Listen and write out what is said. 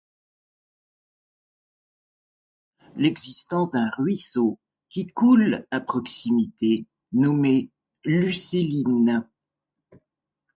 Notons au passage l’existence d’un ruisseau qui coule à proximité, nommé Luciline.